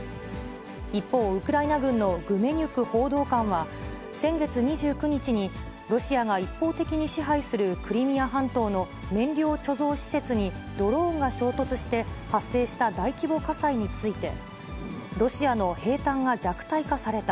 一方、ウクライナ軍のグメニュク報道官は、先月２９日にロシアが一方的に支配するクリミア半島の燃料貯蔵施設にドローンが衝突して、発生した大規模火災について、ロシアの兵たんが弱体化された。